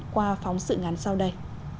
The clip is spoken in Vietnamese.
qua phóng sự ngắn sau đây